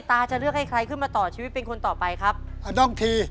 จะเลือกให้ใครขึ้นมาต่อชีวิตเป็นคนต่อไปครับพระด้องที